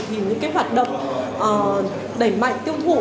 thì những hoạt động đẩy mạnh tiêu thụ